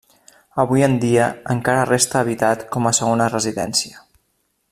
Avui en dia encara resta habitat com a segona residència.